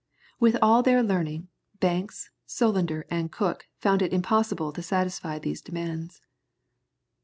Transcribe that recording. With all their learning, Banks, Solander, and Cook found it impossible to satisfy these demands.